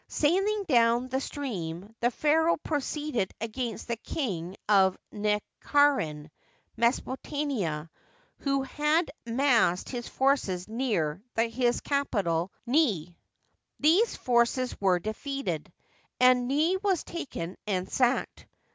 Sailing down the stream, the pharaoh proceeded against the King of Neharen (Mesopotamia), who had massed his forces near his capital, Nil, These forces were defeated, and Nil was taken and sacked.